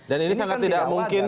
dan ini sangat tidak mungkin